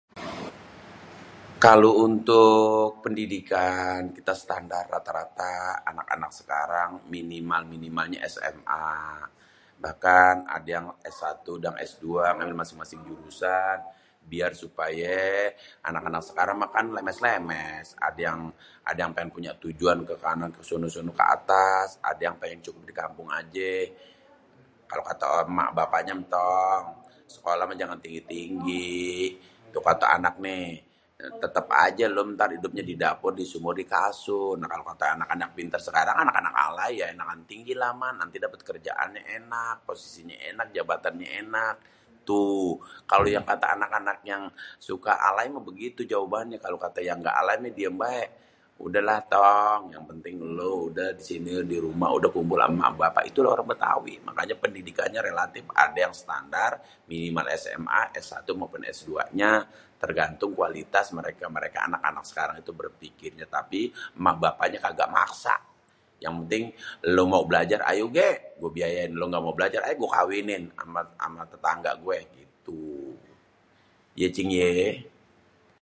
"Kalo untuk pendidikan kita standar rata-rata anak-anak sekarang minimal-minimalnya SMA. Bahkan ada yang S-1 dan S-2 yang masing-masing jurusan biar supayé anak-anak sekarang mah kan lémés-lémés. Ada yang, ada yang pengen punya tujuan ke kanan ke sono-sono ke atas. Ada yang pengen cukup di kampung ajé. Kalo kata èmak bapaknya, ""Tong, sekolah mah jangan tinggi-tinggi, kalo kata anak nih tétép aja lu ntar idupnya di dapur di sumur, di kasur"". Nah, kalo anak-anak pintér sekarang, anak-anak alay, ""ya ènakan tinggih lah mak, ntar dapet kerjaannya ènak, posisinya ènak, jabatannya ènak"". Tuh kalo yang kata anak-anak yang suka alay mah begitu jawabannya. Kalo kata yang nggak alay mah diem bae, ""udahlah Tong, yang penting elu udah di sini, di rumah, udah kumpul ama bapak"". Begitulah orang Betawi. Makanya pendidikannya relatif, ada yang standar minimal SMA, S-1 maupun S-2-nya tergantung kualitas mereka, anak-anak sekarang tuh berpikirnya. Tapi emak-bapaknya kagak maksa, ""yang penting élu mau belajar, ayo gé gua biayayain, lu gak mau belajar ayo gua kawinin ama tetangga gué"", gitu. Yé cing yé."